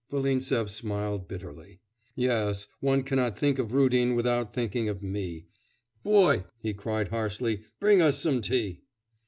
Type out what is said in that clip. Volintsev smiled bitterly. 'Yes; one cannot think of Rudin now without thinking of me.... Boy!' he cried harshly, 'bring us some tea.